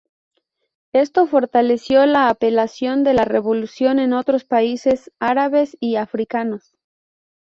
Esto fortaleció la apelación de la revolución en otros países árabes y africanos.